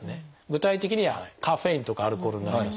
具体的にはカフェインとかアルコールになります。